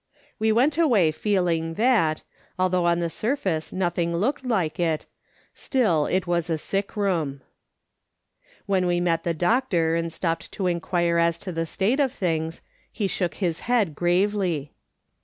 We went away feeling that, although on the surface nothing looked like it, still it was a sick room. When we met the doctor and stopped to inquire as to the state of things, he shook his head gravely.